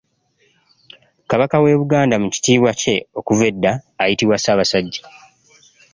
Kabaka w'e Buganda mu kitiibwa kye okuva edda ayitibwa Ssaabasajja.